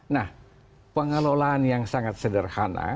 nah pengelolaan yang sangat sederhana